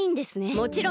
もちろんだ！